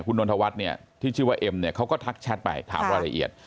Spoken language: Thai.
คุณนนทวัฒน์เนี่ยที่ชื่อว่าเอ็มเนี่ยเขาก็ทักแชทไปถามรายละเอียด